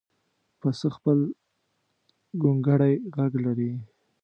پسه خپل ګونګړی غږ لري.